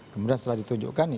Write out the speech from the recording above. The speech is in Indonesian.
kemudian setelah ditunjukkan